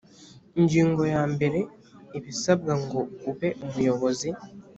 ingingo ya mbere ibisabwa ngo ube umuyobozi